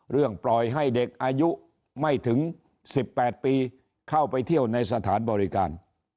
ปล่อยให้เด็กอายุไม่ถึง๑๘ปีเข้าไปเที่ยวในสถานบริการ